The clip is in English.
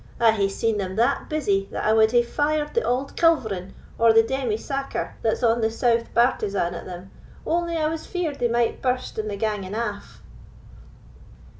I hae seen them that busy, that I wad hae fired the auld culverin or the demi saker that's on the south bartizan at them, only I was feared they might burst in the ganging aff."